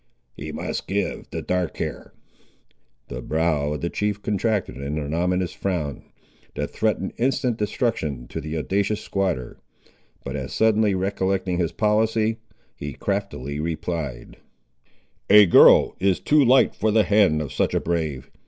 "He must give the dark hair." The brow of the chief contracted in an ominous frown, that threatened instant destruction to the audacious squatter; but as suddenly recollecting his policy, he craftily replied— "A girl is too light for the hand of such a brave.